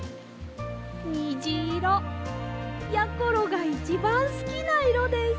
にじいろやころがいちばんすきないろです。